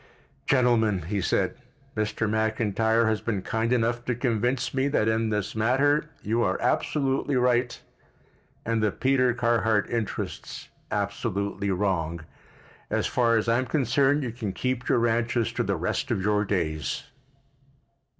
"Gentlemen," he said, "Mr. McIntyre has been kind enough to convince me that in this matter you are absolutely right and the Peter Carhart interests absolutely wrong. As far as I am concerned you can keep your ranches to the rest of your days."